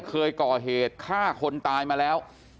เคยก่อเหตุฆ่าคนตายมาแล้ว